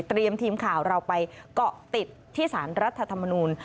เตรียมทีมข่าวเราไปเกาะติดที่ศาลรัฐธรรมนูญ